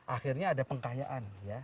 akhirnya ada pengkayaan